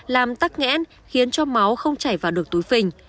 làm tắc nghẽn khiến cho máu không chảy vào được túi phình